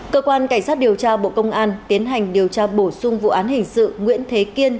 cơ quan cảnh sát điều tra bộ công an tiến hành điều tra bổ sung vụ án hình sự nguyễn thế kiên